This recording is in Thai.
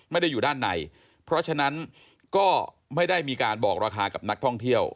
ไม่ได้อยู่ด้านในเพราะฉะนั้นก็ไม่ได้มีการบอกราคากับนักท่องเที่ยว